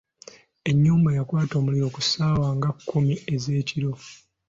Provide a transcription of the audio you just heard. Enyumba yakwata omuliro ku ssaawa nga kkumi ez’ekiro.